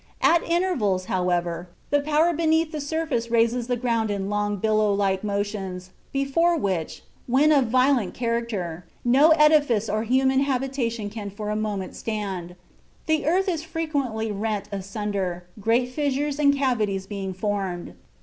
At intervals, however, the power beneath the surface raises the ground in long, billow like motions, before which, when of violent character, no edifice or human habitation can for a moment stand. The earth is frequently rent asunder, great fissures and cavities being formed.